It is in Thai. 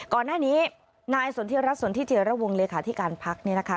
ก่อนหน้านี้นายสนทรรศสนทรียระวงห์เลยค่ะที่การพักเนี่ยนะคะ